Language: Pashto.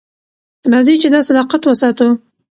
راځئ چې دا صداقت وساتو.